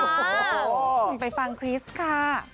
ผมไปฟังคริสค่ะ